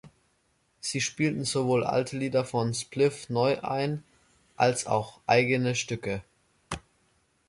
Sie spielten sowohl alte Lieder von Spliff neu ein als auch eigene Stücke.